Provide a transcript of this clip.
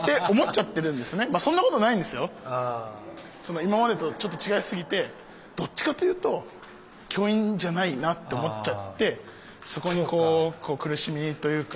今までとちょっと違いすぎてどっちかっていうと教員じゃないなって思っちゃってそこに苦しみというか。